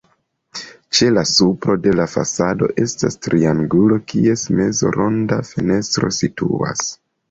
Ĉe la supro de la fasado estas triangulo, kies mezo ronda fenestro situas.